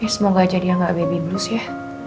semoga aja dia gak baby blues ya